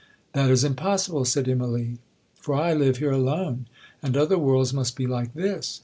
'—'That is impossible,' said Immalee, 'for I live here alone, and other worlds must be like this.'